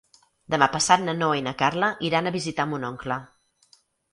Demà passat na Noa i na Carla iran a visitar mon oncle.